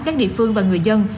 các địa phương và người dân